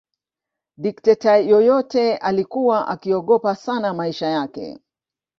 Dikteta yeyote alikuwa akiogopa sana maisha yake